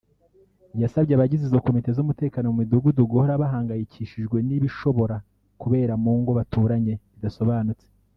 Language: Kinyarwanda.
yasabye abagize izo komite z’umutekano mu midugudu guhora bahangayikishijwe n’ibishobora kubera mu ngo baturanye bidasobanutse